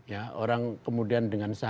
ya orang kemudian dengan politik itu